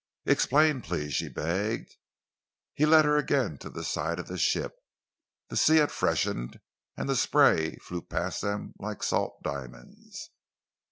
"Explain, please," she begged. He led her again to the side of the ship. The sea had freshened, and the spray flew past them like salt diamonds.